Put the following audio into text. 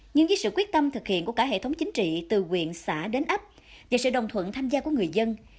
nhưng với sự quyết tâm thực hiện của cả hệ thống chính trị từ quyện xã đến ấp và sự đồng thuận tham gia của người dân